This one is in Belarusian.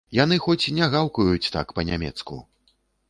Яны хоць не гаўкаюць так па-нямецку.